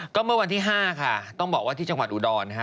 ก็เมื่อวันที่๕ค่ะต้องบอกว่าที่จังหวัดอุดรนะฮะ